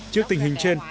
trước tình hình trên